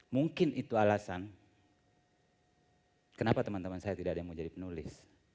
mungkin itu alasan kenapa teman teman saya tidak ada yang mau jadi penulis